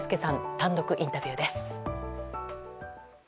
単独インタビューです。